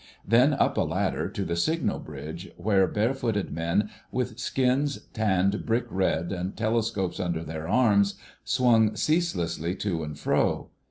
Then up a ladder to the signal bridge, where barefooted men, with skins tanned brick red and telescopes under their arms, swung ceaselessly to and fro.